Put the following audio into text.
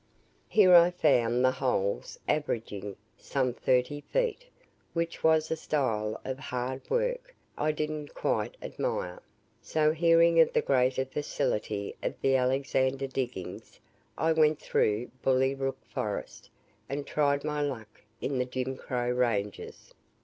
"Here I found the holes averaging some thirty feet which was a style of hard work I didn't quite admire; so hearing of the greater facility of the Alexander diggings, I went through Bully Rook Forest, and tried my luck in the Jim Crow Ranges.